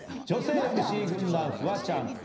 女性ＭＣ軍団フワちゃん